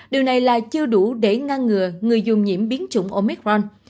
điều này là chưa đủ để ngăn ngừa người dùng nhiễm biến chủng omicron